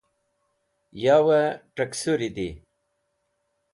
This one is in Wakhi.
Yowey Taksuri Di